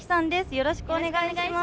よろしくお願いします。